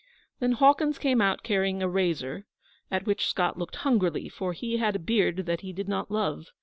Then Hawkins came out carrying a razor, at which Scott looked hungrily, for he had a beard that he did not love.